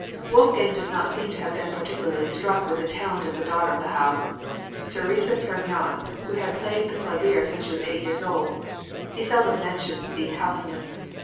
Wolfgang does not seem to have been particularly struck with the talent of the daughter of the house, Theresa Pierron, who had played the clavier since she was eight years old; he seldom mentions the "house nymph."